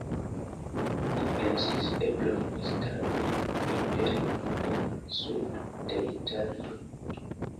Li pensis eblon establi imperion en sudo de Italio.